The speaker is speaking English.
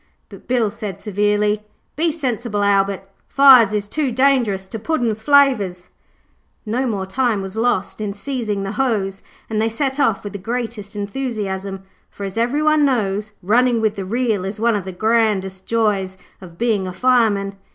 but Bill said severely, 'Be sensible, Albert, fires is too dangerous to Puddin's flavours.' No more time was lost in seizing the hose and they set off with the greatest enthusiasm. For, as everyone knows, running with the reel is one of the grand joys of being a fireman.